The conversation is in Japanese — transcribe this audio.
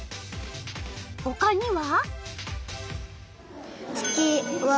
ほかには？